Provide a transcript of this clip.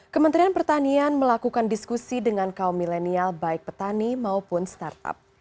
kementerian pertanian melakukan diskusi dengan kaum milenial baik petani maupun startup